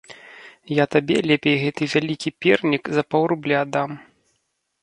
Я табе лепей гэты вялікі пернік за паўрубля дам!